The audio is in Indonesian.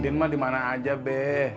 ndin mah di mana aja be